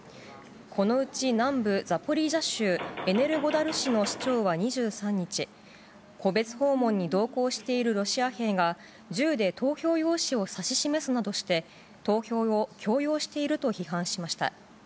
このうち、南部ザポリージャ州エネルゴダル市の市長は２３日、戸別訪問に同行しているロシア兵が、銃で投票用紙を指し示すなどして、投票を強要していると批判しました。